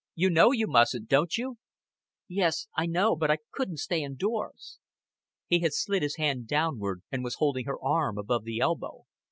You know you mustn't, don't you?" "Yes, I know. But I couldn't stay indoors." He had slid his hand downward, and was holding her arm above the elbow.